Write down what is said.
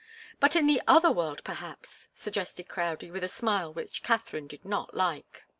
"But in the other world, perhaps," suggested Crowdie, with a smile which Katharine did not like.